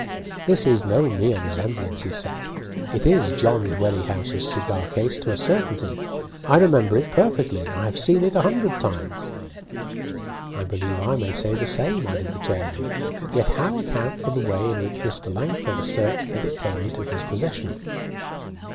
"This is no mere resemblance," he said. "It is John Dwerrihouse's cigar case to a certainty. I remember it perfectly; I have seen it a hundred times." "I believe I may say the same," added the chairman; "yet how account for the way in which Mr. Langford asserts that it came into his possession?"